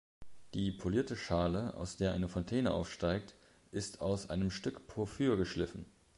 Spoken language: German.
Die polierte Schale, aus der eine Fontäne aufsteigt, ist aus einem Stück Porphyr geschliffen.